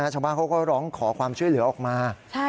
ชาวบ้านเขาก็ร้องขอความช่วยเหลือออกมา